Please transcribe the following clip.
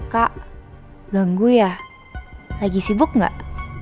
kak ganggu ya lagi sibuk gak